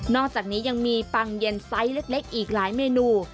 อกจากนี้ยังมีปังเย็นไซส์เล็กอีกหลายเมนู